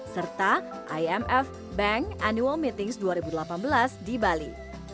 serta imf bank annual meetings dua ribu delapan belas di bali